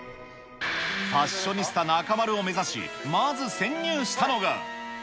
ファッショニスタ中丸を目指し、まず潜入したのが。